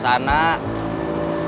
saya butuh ganti suasana